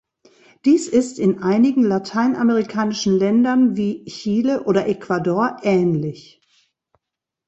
Dies ist in einigen lateinamerikanischen Ländern wie Chile oder Ecuador ähnlich.